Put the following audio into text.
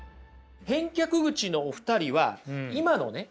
返却口のお二人は今のね